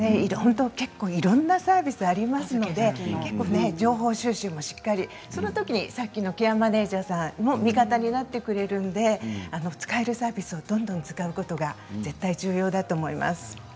いろんなサービスがありますので情報収集をしっかりケアマネージャーさんも味方になってくれるので使えるサービスをどんどん使うことが絶対重要だと思います。